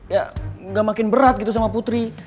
ya gak makin berat gitu sama putri